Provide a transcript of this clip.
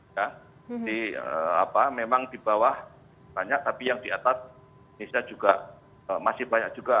ya memang di bawah banyak tapi yang di atas masih banyak juga